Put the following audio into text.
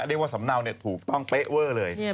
เรียกว่าสำนาวเนี่ยถูกต้องเป๊ะเว่อเลย